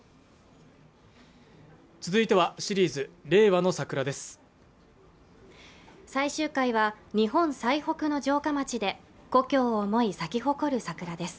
続いては「シリーズ令和の桜」です最終回は日本最北部の城下町で故郷を想い咲き誇る桜です